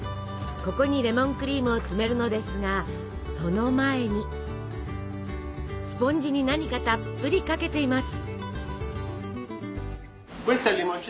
ここにレモンクリームを詰めるのですがその前にスポンジに何かたっぷりかけています。